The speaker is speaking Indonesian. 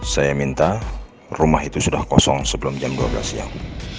saya minta rumah itu sudah kosong sebelum jam dua belas siang